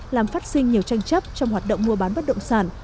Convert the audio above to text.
làm phát sinh nhiều tranh chấp trong hoạt động mua bán bất động sản